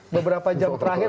beberapa jam terakhir